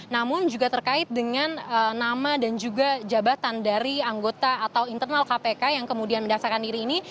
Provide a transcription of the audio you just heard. namun juga terkait dengan nama dan juga jabatan dari anggota atau internal kpk yang kemudian mendaksakan diri ini